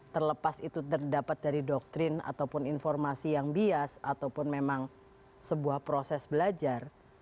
terlepas itu terdapat dari doktrin ataupun informasi yang bias ataupun memang sebuah proses belajar